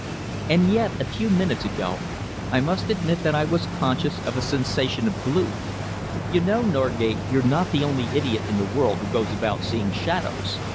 And yet, a few minutes ago, I must admit that I was conscious of a sensation of gloom. You know, Norgate, you're not the only idiot in the world who goes about seeing shadows.